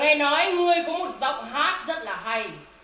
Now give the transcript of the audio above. ta nghe nói ngươi có một giọng hát rất là hay